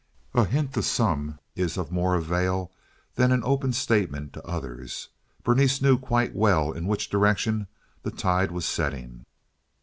A hint to some is of more avail than an open statement to others. Berenice knew quite well in which direction the tide was setting.